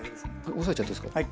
押さえちゃっていいですか？